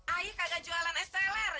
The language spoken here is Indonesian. ayo kagak jualan esteller